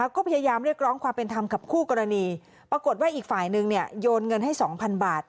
ก็พยายามเรียกร้องความเป็นธรรมกับคู่กรณีปรากฏว่าอีกฝ่ายนึงเนี่ยโยนเงินให้๒๐๐บาท